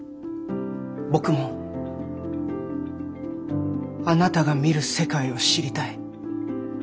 僕もあなたが見る世界を知りたい。